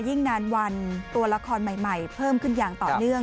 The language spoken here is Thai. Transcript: ยิ่งนานวันตัวละครใหม่เพิ่มขึ้นอย่างต่อเนื่อง